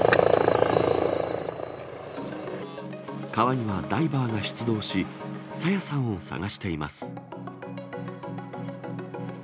川にはダイバーが出動し、朝芽さんを捜しています。